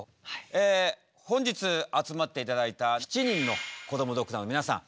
え本日集まって頂いた７人のこどもドクターの皆さん